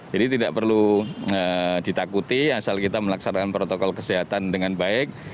jadi tidak perlu ditakuti asal kita melaksanakan protokol kesehatan dengan baik